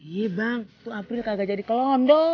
iya bang tuh april kagak jadi ke london